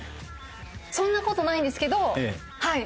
そんな事ないんですけどはい。